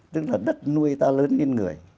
tức là đất nuôi ta lớn lên người